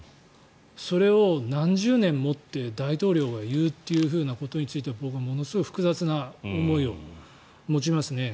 それを何十年もって大統領が言うということについて僕、ものすごい複雑な思いを持ちますね。